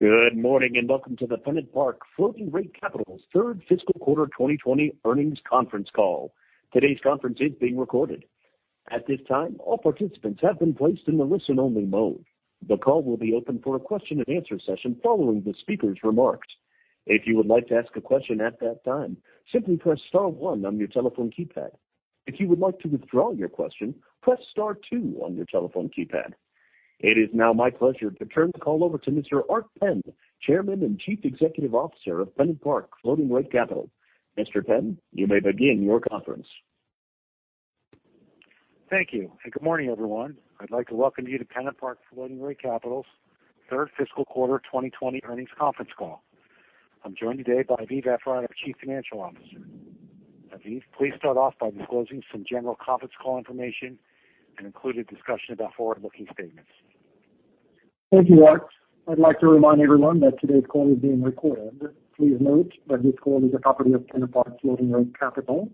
Good morning, and welcome to the PennantPark Floating Rate Capital's third fiscal quarter 2020 earnings conference call. It is now my pleasure to turn the call over to Mr. Art Penn, Chairman and Chief Executive Officer of PennantPark Floating Rate Capital. Mr. Penn, you may begin your conference. Thank you, and good morning, everyone. I'd like to welcome you to PennantPark Floating Rate Capital's third fiscal quarter 2020 earnings conference call. I'm joined today by Aviv Efrat, our Chief Financial Officer. Aviv, please start off by disclosing some general conference call information and include a discussion about forward-looking statements. Thank you, Art. I'd like to remind everyone that today's call is being recorded. Please note that this call is a property of PennantPark Floating Rate Capital,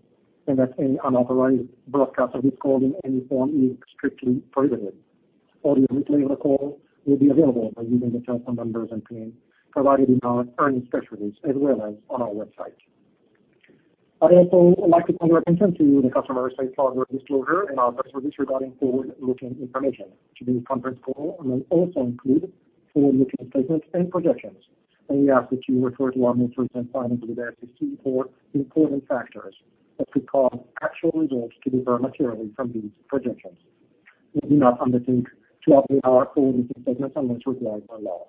and that any unauthorized broadcast of this call in any form is strictly prohibited. Audio replay of the call will be available by using the telephone numbers and PIN provided in our earnings press release as well as on our website. I'd also like to call your attention to the customer safe harbor disclosure in our press release regarding forward-looking information. Today's conference call may also include forward-looking statements and projections. We ask that you refer to our notes recent filings with the SEC for important factors that could cause actual results to differ materially from these projections. We do not undertake to update our forward-looking statements unless required by law.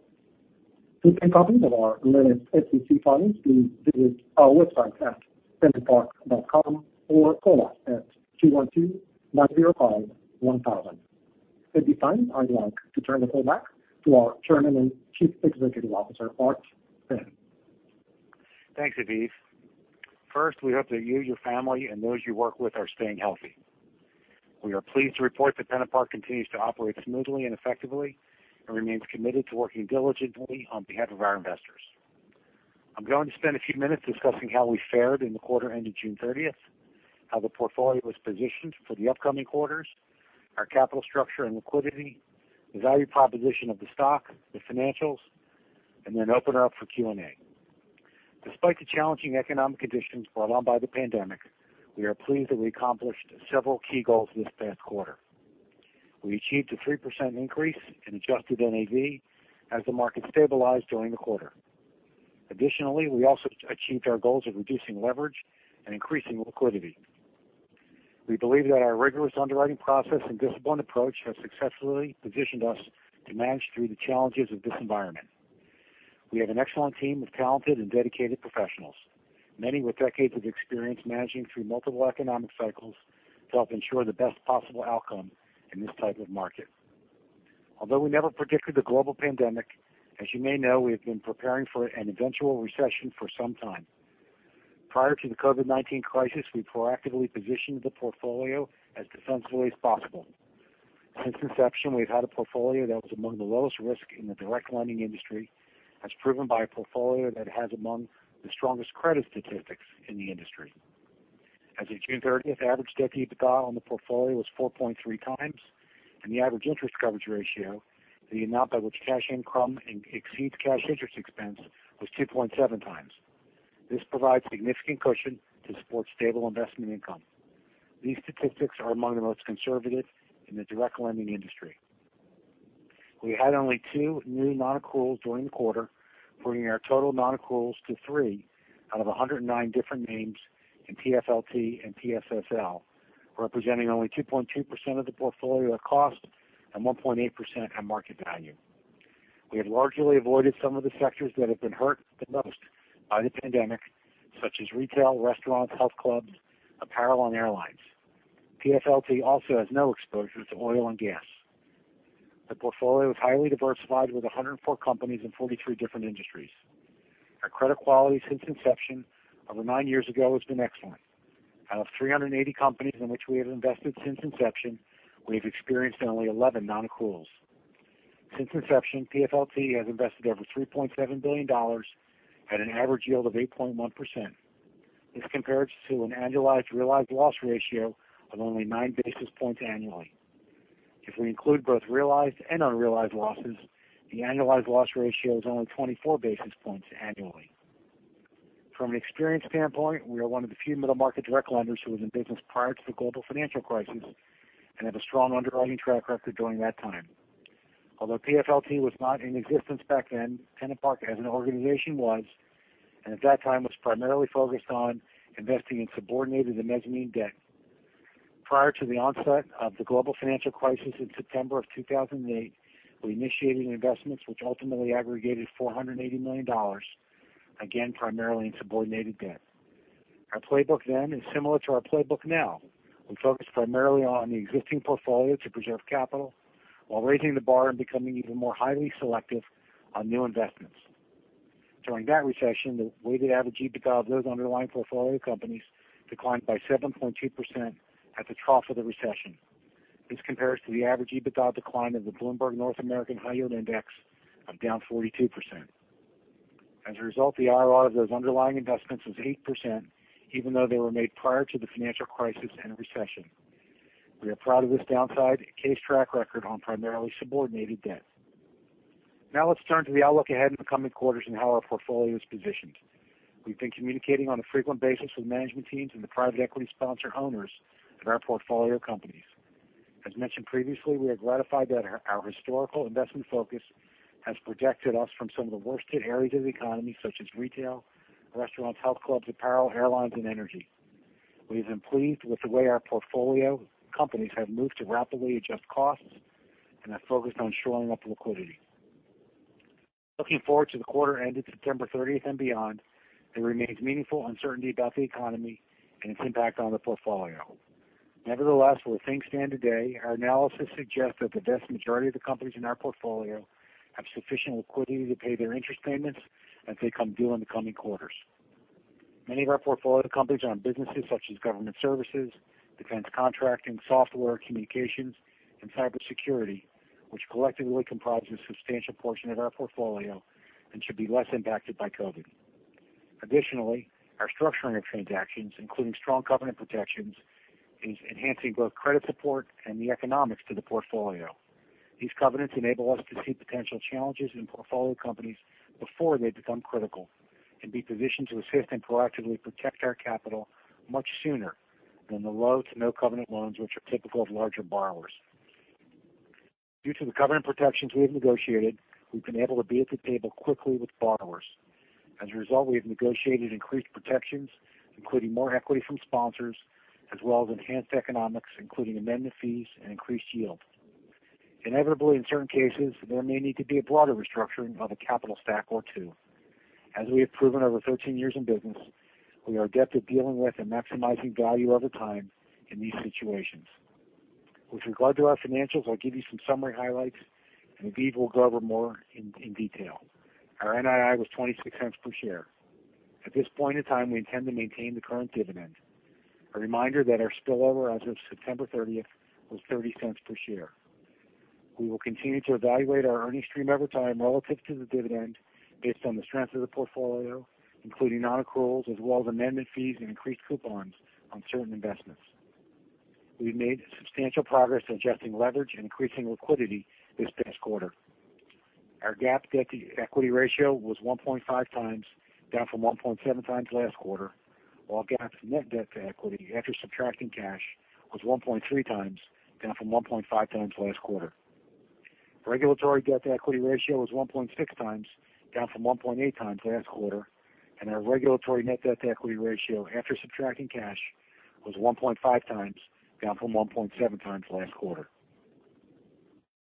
To obtain copies of our latest SEC filings, please visit our website at pennantpark.com or call us at (212) 905-1000. At this time, I'd like to turn the call back to our Chairman and Chief Executive Officer, Art Penn. Thanks, Aviv. First, we hope that you, your family, and those you work with are staying healthy. We are pleased to report that PennantPark continues to operate smoothly and effectively and remains committed to working diligently on behalf of our investors. I'm going to spend a few minutes discussing how we fared in the quarter ending June 30th, how the portfolio was positioned for the upcoming quarters, our capital structure and liquidity, the value proposition of the stock, the financials, and then open it up for Q&A. Despite the challenging economic conditions brought on by the pandemic, we are pleased that we accomplished several key goals this past quarter. We achieved a 3% increase in adjusted NAV as the market stabilized during the quarter. Additionally, we also achieved our goals of reducing leverage and increasing liquidity. We believe that our rigorous underwriting process and disciplined approach have successfully positioned us to manage through the challenges of this environment. We have an excellent team of talented and dedicated professionals, many with decades of experience managing through multiple economic cycles to help ensure the best possible outcome in this type of market. Although we never predicted the global pandemic, as you may know, we have been preparing for an eventual recession for some time. Prior to the COVID-19 crisis, we proactively positioned the portfolio as defensively as possible. Since inception, we've had a portfolio that was among the lowest risk in the direct lending industry, as proven by a portfolio that has among the strongest credit statistics in the industry. As of June 30th, average debt EBITDA on the portfolio was 4.3x, and the average interest coverage ratio, the amount by which cash income exceeds cash interest expense, was 2.7x. This provides significant cushion to support stable investment income. These statistics are among the most conservative in the direct lending industry. We had only two new non-accruals during the quarter, bringing our total non-accruals to three out of 109 different names in PFLT and PSSL, representing only 2.2% of the portfolio at cost and 1.8% at market value. We have largely avoided some of the sectors that have been hurt the most by the pandemic, such as retail, restaurants, health clubs, apparel, and airlines. PFLT also has no exposure to oil and gas. The portfolio is highly diversified with 104 companies in 43 different industries. Our credit quality since inception over nine years ago has been excellent. Out of 380 companies in which we have invested since inception, we've experienced only 11 non-accruals. Since inception, PFLT has invested over $3.7 billion at an average yield of 8.1%. This compares to an annualized realized loss ratio of only nine basis points annually. If we include both realized and unrealized losses, the annualized loss ratio is only 24 basis points annually. From an experience standpoint, we are one of the few middle market direct lenders who was in business prior to the global financial crisis and have a strong underwriting track record during that time. Although PFLT was not in existence back then, PennantPark as an organization was, and at that time was primarily focused on investing in subordinated and mezzanine debt. Prior to the onset of the global financial crisis in September of 2008, we initiated investments which ultimately aggregated $480 million, again, primarily in subordinated debt. Our playbook then is similar to our playbook now. We focused primarily on the existing portfolio to preserve capital while raising the bar and becoming even more highly selective on new investments. During that recession, the weighted average EBITDA of those underlying portfolio companies declined by 7.2% at the trough of the recession. This compares to the average EBITDA decline of the Bloomberg North American High Yield Index of down 42%. As a result, the IRR of those underlying investments was 8%, even though they were made prior to the financial crisis and recession. We are proud of this downside case track record on primarily subordinated debt. Let's turn to the outlook ahead in the coming quarters and how our portfolio is positioned. We've been communicating on a frequent basis with management teams and the private equity sponsor owners of our portfolio companies. As mentioned previously, we are gratified that our historical investment focus has protected us from some of the worst-hit areas of the economy, such as retail, restaurants, health clubs, apparel, airlines, and energy. We have been pleased with the way our portfolio companies have moved to rapidly adjust costs and have focused on shoring up liquidity. Looking forward to the quarter ended September 30th and beyond, there remains meaningful uncertainty about the economy and its impact on the portfolio. Nevertheless, where things stand today, our analysis suggests that the vast majority of the companies in our portfolio have sufficient liquidity to pay their interest payments as they come due in the coming quarters. Many of our portfolio companies are in businesses such as government services, defense contracting, software, communications, and cybersecurity, which collectively comprise a substantial portion of our portfolio and should be less impacted by COVID. Our structuring of transactions, including strong covenant protections, is enhancing both credit support and the economics to the portfolio. These covenants enable us to see potential challenges in portfolio companies before they become critical and be positioned to assist and proactively protect our capital much sooner than the low to no covenant loans, which are typical of larger borrowers. Due to the covenant protections we've negotiated, we've been able to be at the table quickly with borrowers. We have negotiated increased protections, including more equity from sponsors, as well as enhanced economics, including amendment fees and increased yield. Inevitably, in certain cases, there may need to be a broader restructuring of a capital stack or two. As we have proven over 13 years in business, we are adept at dealing with and maximizing value over time in these situations. With regard to our financials, I'll give you some summary highlights, and Aviv will go over more in detail. Our NII was $0.26 per share. At this point in time, we intend to maintain the current dividend. A reminder that our spillover as of September 30th was $0.30 per share. We will continue to evaluate our earnings stream over time relative to the dividend based on the strength of the portfolio, including non-accruals as well as amendment fees and increased coupons on certain investments. We've made substantial progress in adjusting leverage and increasing liquidity this past quarter. Our GAAP debt-to-equity ratio was 1.5x, down from 1.7x last quarter, while GAAP net debt to equity after subtracting cash was 1.3x, down from 1.5x last quarter. Our regulatory debt to equity ratio was 1.6x, down from 1.8x last quarter, and our regulatory net debt to equity ratio after subtracting cash was 1.5x, down from 1.7x last quarter.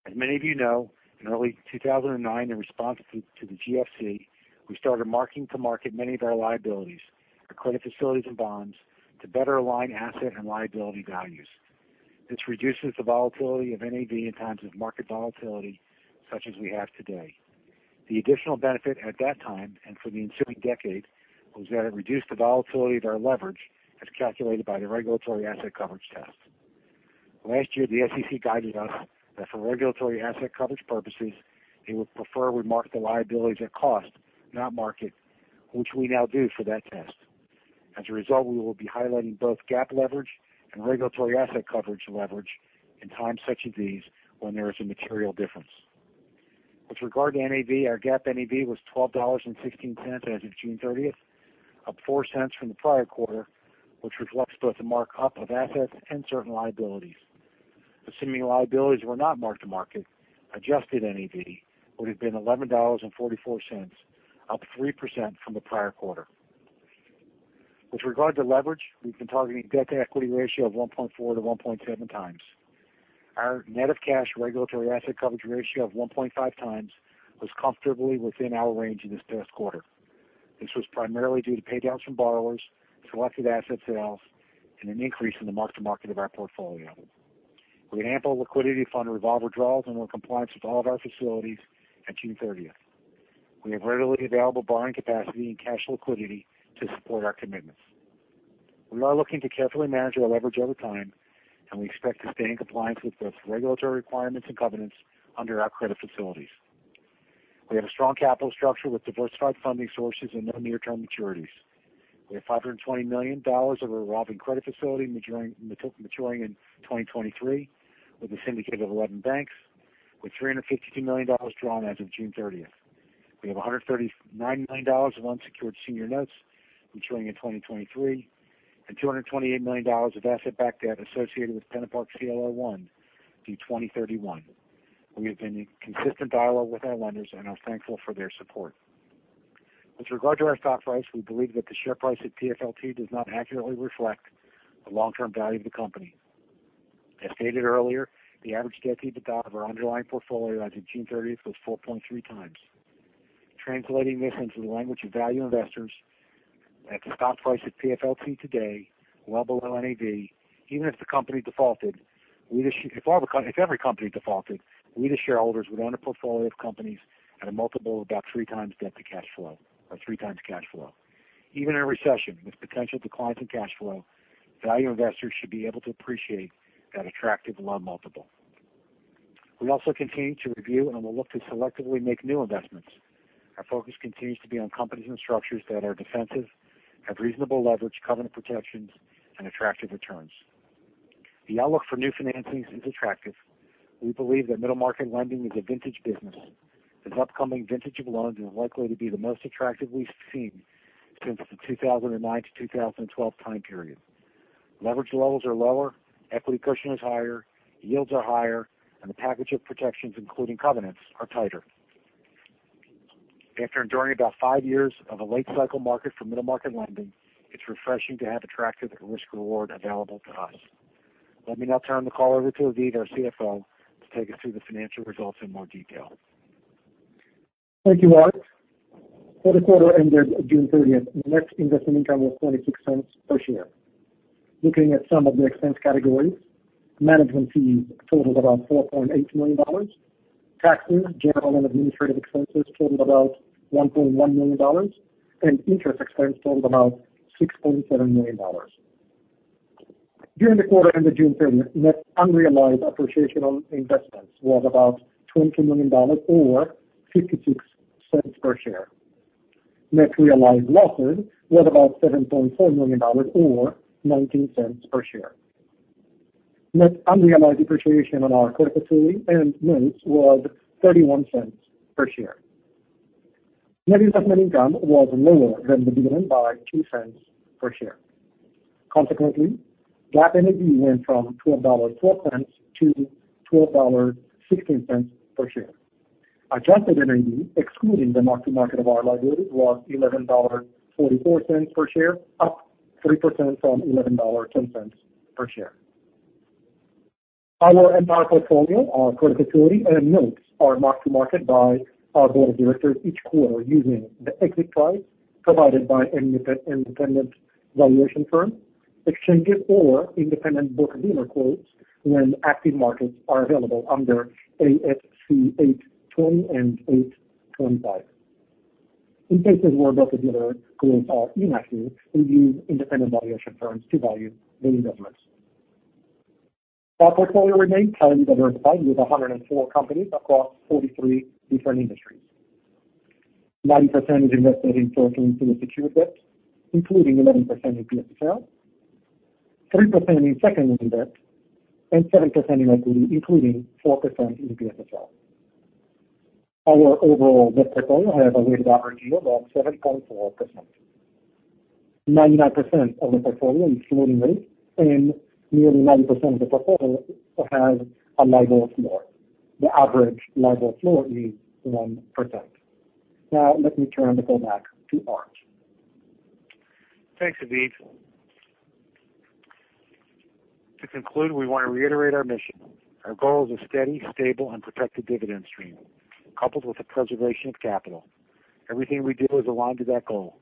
As many of you know, in early 2009, in response to the GFC, we started marking to market many of our liabilities, our credit facilities, and bonds to better align asset and liability values. This reduces the volatility of NAV in times of market volatility such as we have today. The additional benefit at that time and for the ensuing decade was that it reduced the volatility of our leverage as calculated by the regulatory asset coverage test. Last year, the SEC guided us that for regulatory asset coverage purposes, they would prefer we mark the liabilities at cost, not market, which we now do for that test. As a result, we will be highlighting both GAAP leverage and regulatory asset coverage leverage in times such as these when there is a material difference. With regard to NAV, our GAAP NAV was $12.16 as of June 30th, up $0.04 from the prior quarter, which reflects both the mark-up of assets and certain liabilities. Assuming liabilities were not marked to market, adjusted NAV would have been $11.44, up 3% from the prior quarter. With regard to leverage, we've been targeting a debt-to-equity ratio of 1.4x-1.7x. Our net of cash regulatory asset coverage ratio of 1.5x was comfortably within our range in this past quarter. This was primarily due to pay downs from borrowers, selected asset sales, and an increase in the mark-to-market of our portfolio. We had ample liquidity to fund revolver draws and were in compliance with all of our facilities at June 30th. We have readily available borrowing capacity and cash liquidity to support our commitments. We are looking to carefully manage our leverage over time, and we expect to stay in compliance with both regulatory requirements and covenants under our credit facilities. We have a strong capital structure with diversified funding sources and no near-term maturities. We have $520 million of a revolving credit facility maturing in 2023 with a syndicate of 11 banks, with $352 million drawn as of June 30th. We have $139 million of unsecured senior notes maturing in 2023 and $228 million of asset-backed debt associated with PennantPark CLO I through 2031. We have been in consistent dialogue with our lenders and are thankful for their support. With regard to our stock price, we believe that the share price at PFLT does not accurately reflect the long-term value of the company. As stated earlier, the average debt EBITDA of our underlying portfolio as of June 30th was 4.3x. Translating this into the language of value investors, at the stock price at PFLT today, well below NAV, even if every company defaulted, we, the shareholders, would own a portfolio of companies at a multiple of about 3x debt to cash flow or 3x cash flow. Even in a recession with potential declines in cash flow, value investors should be able to appreciate that attractive loan multiple. We also continue to review and will look to selectively make new investments. Our focus continues to be on companies and structures that are defensive, have reasonable leverage, covenant protections, and attractive returns. The outlook for new financings is attractive. We believe that middle market lending is a vintage business. This upcoming vintage of loans is likely to be the most attractive we've seen since the 2009-2012 time period. Leverage levels are lower, equity cushion is higher, yields are higher, and the package of protections, including covenants, are tighter. After enduring about five years of a late cycle market for middle market lending, it's refreshing to have attractive risk-reward available to us. Let me now turn the call over to Aviv, our CFO, to take us through the financial results in more detail. Thank you, Art. For the quarter ended June 30th, net investment income was $0.26 per share. Looking at some of the expense categories, management fees totaled about $4.8 million. Taxes, general and administrative expenses totaled about $1.1 million, and interest expense totaled about $6.7 million. During the quarter ended June 30th, net unrealized appreciation on investments was about $20 million, or $0.56 per share. Net realized losses were about $7.4 million, or $0.19 per share. Net unrealized appreciation on our credit facility and notes was $0.31 per share. Net investment income was lower than the beginning by $0.02 per share. Consequently, GAAP NAV went from $12.04-$12.16 per share. Adjusted NAV, excluding the mark-to-market of our liabilities, was $11.44 per share, up 3% from $11.10 per share. Our entire portfolio, our credit facility, and notes are marked to market by our board of directors each quarter using the exit price provided by an independent valuation firm, exchanges or independent book dealer quotes when active markets are available under ASC 820 and ASC 825. In cases where book dealer quotes are inactive, we use independent valuation firms to value the investments. Our portfolio remains highly diversified with 104 companies across 43 different industries. 90% is invested in first lien senior secured debt, including 11% in BSL. 3% in second lien debt and 7% in equity, including 4% in BSL. Our overall debt portfolio has a weighted average yield of 7.4%. 99% of the portfolio is floating rate, and nearly 90% of the portfolio has a LIBOR floor. The average LIBOR floor is 1%. Let me turn the call back to Art. Thanks, Aviv. To conclude, we want to reiterate our mission. Our goal is a steady, stable, and protected dividend stream, coupled with the preservation of capital. Everything we do is aligned to that goal.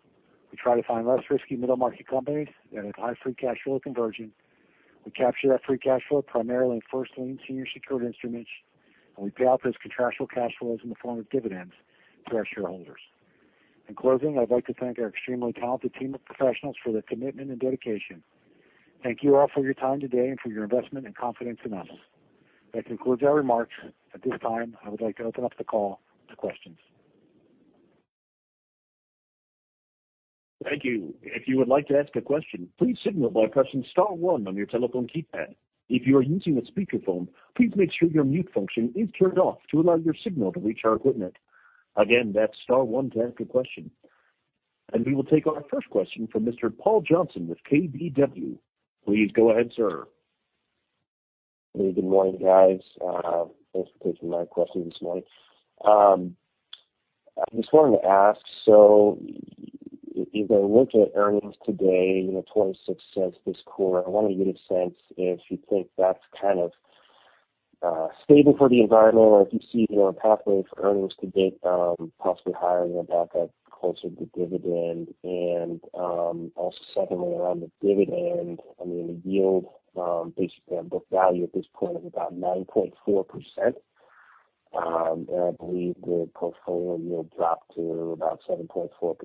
We try to find less risky middle market companies that have high free cash flow conversion. We capture that free cash flow primarily in first lien senior secured instruments. We pay out those contractual cash flows in the form of dividends to our shareholders. In closing, I'd like to thank our extremely talented team of professionals for their commitment and dedication. Thank you all for your time today and for your investment and confidence in us. That concludes our remarks. At this time, I would like to open up the call to questions. Thank you. If you would like to ask a question, please signal by pressing star one on your telephone keypad. If you are using a speakerphone, please make sure your mute function is turned off to allow your signal to reach our equipment. Again, that's star one to ask a question. We will take our first question from Mr. Paul Johnson with KBW. Please go ahead, sir. Good morning, guys. Thanks for taking my question this morning. I just wanted to ask. If I look at earnings today, $0.26 this quarter, I want to get a sense if you think that's kind of stable for the environment or if you see a pathway for earnings to get possibly higher and get back up closer to dividend. Also secondly, around the dividend, I mean, the yield based on book value at this point is about 9.4%. I believe the portfolio yield dropped to about 7.4%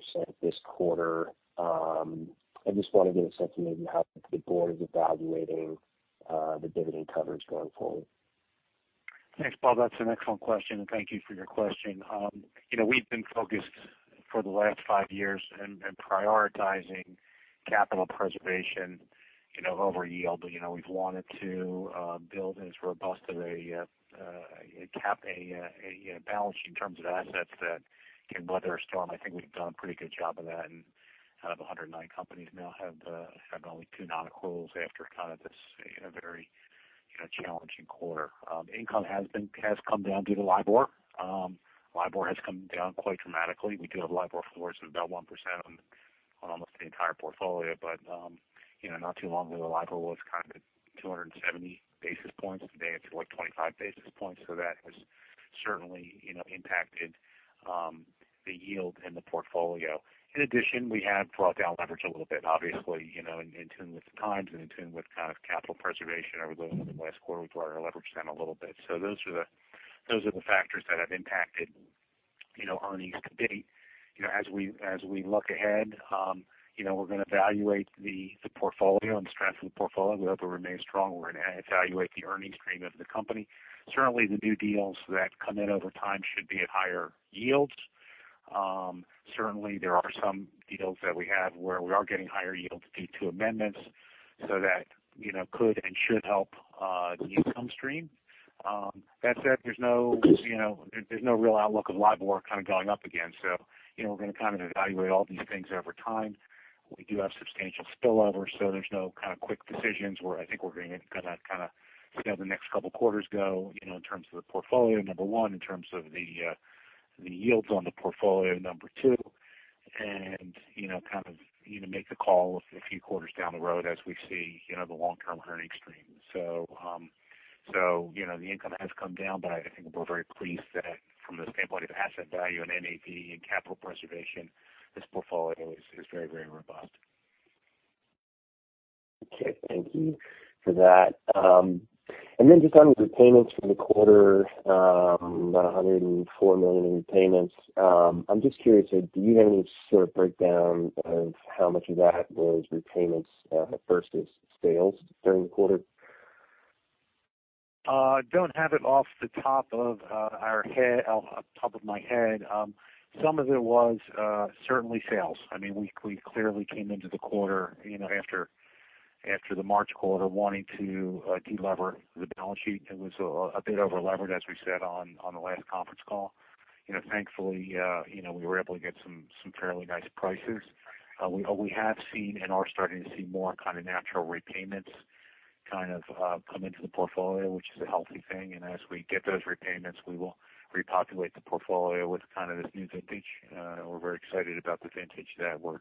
this quarter. I just want to get a sense of maybe how the board is evaluating the dividend coverage going forward. Thanks, Paul. That's an excellent question. Thank you for your question. We've been focused for the last five years in prioritizing capital preservation over yield. We've wanted to build as robust of a balance in terms of assets that can weather a storm. I think we've done a pretty good job of that and out of 109 companies now have only two non-accruals after this very challenging quarter. Income has come down due to LIBOR. LIBOR has come down quite dramatically. We do have LIBOR floors of about 1% on almost the entire portfolio, but not too long ago, the LIBOR was kind of 270 basis points. Today, it's like 25 basis points. That has certainly impacted the yield in the portfolio. In addition, we have brought down leverage a little bit, obviously, in tune with the times and in tune with kind of capital preservation. Over the last quarter, we brought our leverage down a little bit. Those are the factors that have impacted earnings to date. As we look ahead, we're going to evaluate the portfolio and strength of the portfolio. We hope it remains strong. We're going to evaluate the earnings stream of the company. Certainly, the new deals that come in over time should be at higher yields. Certainly, there are some deals that we have where we are getting higher yields due to amendments, so that could and should help the income stream. That said, there's no real outlook of LIBOR kind of going up again. We're going to evaluate all these things over time. We do have substantial spillovers, so there's no kind of quick decisions where I think we're going to see how the next couple of quarters go in terms of the portfolio, number one, in terms of the yields on the portfolio, number two, and make the call a few quarters down the road as we see the long-term earnings stream. The income has come down, but I think we're very pleased that from the standpoint of asset value and NAV and capital preservation, this portfolio is very, very robust. Okay. Thank you for that. Just on repayments for the quarter, about $104 million in repayments. I'm just curious, do you have any sort of breakdown of how much of that was repayments versus sales during the quarter? Don't have it off the top of my head. Some of it was certainly sales. We clearly came into the quarter after the March quarter wanting to de-lever the balance sheet. It was a bit over-levered, as we said on the last conference call. Thankfully, we were able to get some fairly nice prices. We have seen and are starting to see more kind of natural repayments kind of come into the portfolio, which is a healthy thing. As we get those repayments, we will repopulate the portfolio with kind of this new vintage. We're very excited about the vintage that we're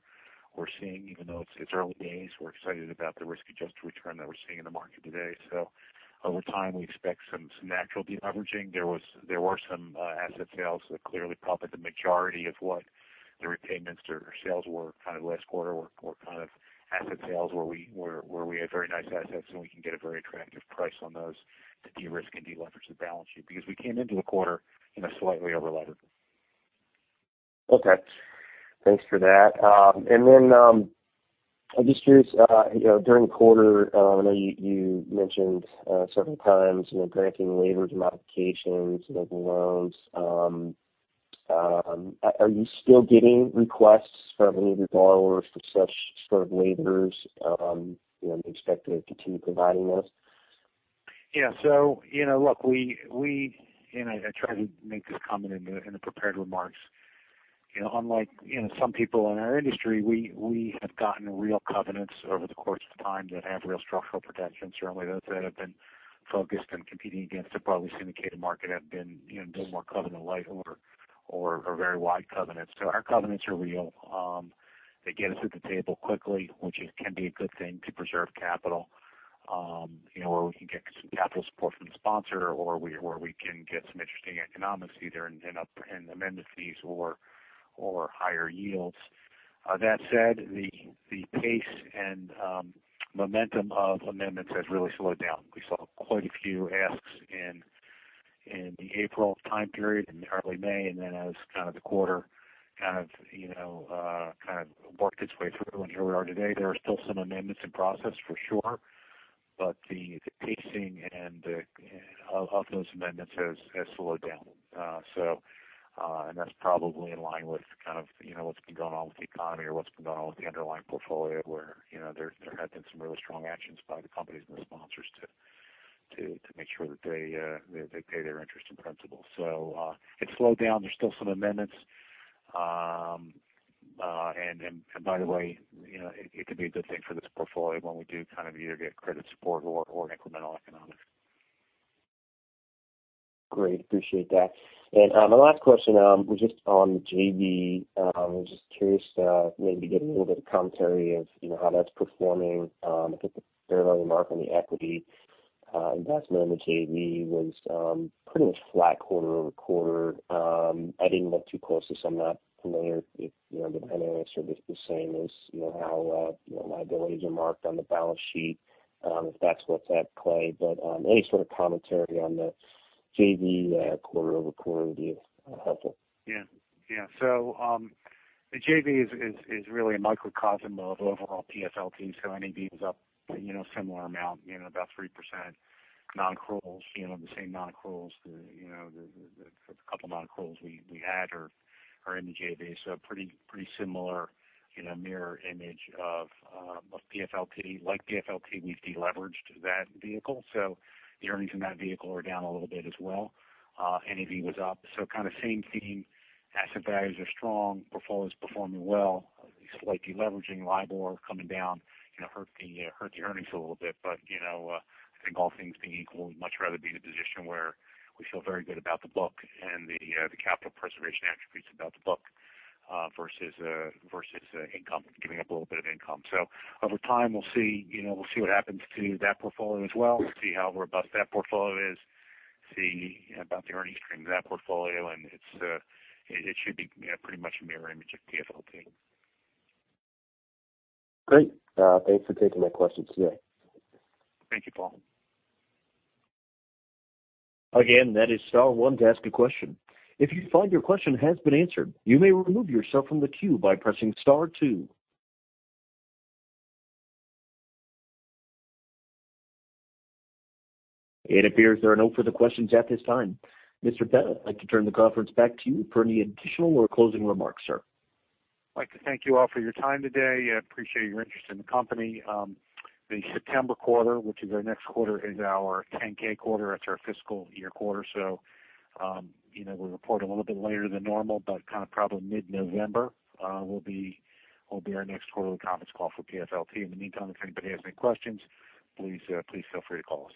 seeing, even though it's early days. We're excited about the risk-adjusted return that we're seeing in the market today. Over time, we expect some natural de-leveraging. There were some asset sales that clearly probably the majority of what the repayments or sales were kind of last quarter were kind of asset sales where we had very nice assets, and we can get a very attractive price on those to de-risk and de-leverage the balance sheet. We came into the quarter slightly over-levered. Okay. Thanks for that. I'm just curious, during the quarter, I know you mentioned several times granting waivers and modifications of loans. Are you still getting requests from any of your borrowers for such sort of waivers? Do you expect to continue providing those? Yeah. Look, I tried to make this comment in the prepared remarks. Unlike some people in our industry, we have gotten real covenants over the course of time that have real structural protection. Certainly, those that have been focused on competing against the broadly syndicated market have been a little more covenant light or very wide covenants. Our covenants are real. They get us at the table quickly, which can be a good thing to preserve capital. Where we can get some capital support from the sponsor or where we can get some interesting economics either in amendment fees or higher yields. That said, the pace and momentum of amendments has really slowed down. We saw quite a few asks in the April time period, in early May, and then as kind of the quarter kind of worked its way through, and here we are today. There are still some amendments in process for sure, but the pacing of those amendments has slowed down. That's probably in line with kind of what's been going on with the economy or what's been going on with the underlying portfolio, where there have been some really strong actions by the companies and the sponsors to make sure that they pay their interest and principal. It slowed down. There's still some amendments. By the way, it can be a good thing for this portfolio when we do kind of either get credit support or incremental economics. Great. Appreciate that. My last question was just on JV. I was just curious to maybe get a little bit of commentary of how that's performing. I think the fair value mark on the equity investment in the JV was pretty much flat quarter-over-quarter. I didn't look too closely, so I'm not familiar if the NII is sort of the same as how liabilities are marked on the balance sheet. If that's what's at play. Any sort of commentary on the JV quarter-over-quarter would be helpful. Yeah. The JV is really a microcosm of overall PFLT. NAV is up similar amount, about 3%. Non-accruals, the same non-accruals. The couple non-accruals we had are in the JV. Pretty similar mirror image of PFLT. Like PFLT, we've de-leveraged that vehicle, so the earnings in that vehicle are down a little bit as well. NAV was up. Kind of same theme. Asset values are strong. Portfolio is performing well. Slight de-leveraging. LIBOR coming down hurt the earnings a little bit. I think all things being equal, we'd much rather be in a position where we feel very good about the book and the capital preservation attributes about the book versus income, giving up a little bit of income. Over time, we'll see what happens to that portfolio as well. We'll see how robust that portfolio is, see about the earnings stream of that portfolio, and it should be pretty much a mirror image of PFLT. Great. Thanks for taking my questions today. Thank you, Paul. That is star one to ask a question. If you find your question has been answered, you may remove yourself from the queue by pressing star two. It appears there are no further questions at this time. Mr. Penn, I'd like to turn the conference back to you for any additional or closing remarks, sir. I'd like to thank you all for your time today. I appreciate your interest in the company. The September quarter, which is our next quarter, is our 10K quarter. It's our fiscal year quarter. We'll report a little bit later than normal, but kind of probably mid-November will be our next quarterly conference call for PFLT. In the meantime, if anybody has any questions, please feel free to call us.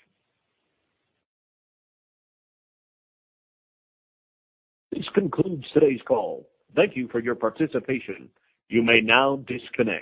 This concludes today's call. Thank you for your participation. You may now disconnect.